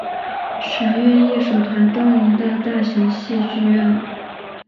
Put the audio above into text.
神韵艺术团登临的大型戏剧院。